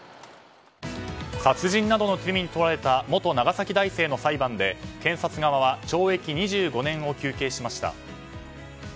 殺人などの罪に問われた元長崎大生の裁判で検察側は懲役２５年を求刑しました。